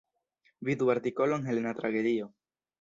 Vidu artikolon Helena tragedio.